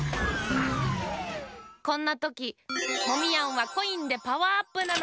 こんなときモミヤンはコインでパワーアップなのだ。